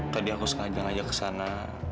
tadi aku sengaja ngajak ke sana